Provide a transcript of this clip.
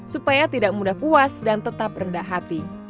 supaya tidak mudah puas dan tetap rendah hati